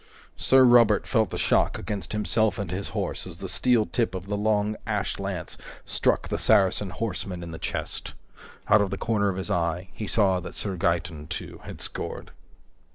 Sir Robert felt the shock against himself and his horse as the steel tip of the long ash lance struck the Saracen horseman in the chest. Out of the corner of his eye, he saw that Sir Gaeton, too, had scored.